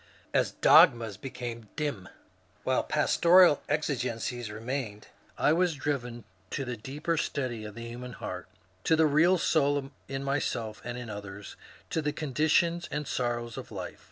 As dogmas became dim, while pastoral exigencies remained, I was driven to the deeper study of the human heart, to the real soul in myself and in others, to the conditions and sor rows of life.